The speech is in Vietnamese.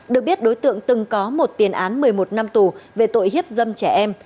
được biết đối tượng từng có một tiền án một mươi một năm tù về tội hiếp dâm trẻ em